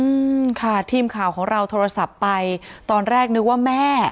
อืมค่ะทีมข่าวของเราโทรศัพท์ไปตอนแรกนึกว่าแม่